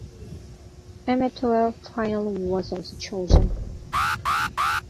Amateur final was also chosen.